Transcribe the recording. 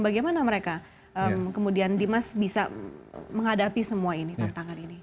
bagaimana mereka kemudian dimas bisa menghadapi semua ini tantangan ini